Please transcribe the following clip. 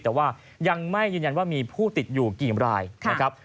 แต่ว่ายังไม่ยืนยันว่ามีผู้ติดอยู่กี่รายนะครับ